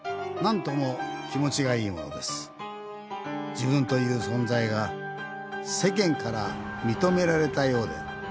自分という存在が世間から認められたようで。